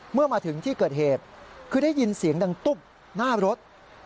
เมื่อมาถึงที่เกิดเหตุคือได้ยินเสียงดังตุ๊บหน้ารถ